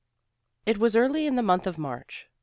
It was early in the month of March.